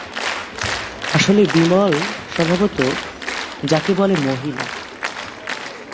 আসলে বিমল স্বভাবত যাকে বলে মহিলা।